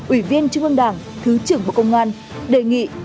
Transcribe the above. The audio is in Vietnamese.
ủy viên trung ương đảng thứ trưởng bộ công an đề nghị